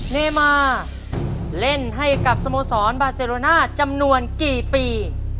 เนมาเล่นให้กับสโมสรบาเซโรน่าจำนวนกี่ปี